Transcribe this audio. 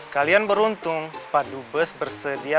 kalian beruntung padu bus bersedia